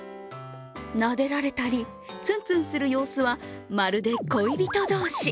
なでられたり、つんつんする様子はまるで恋人同士。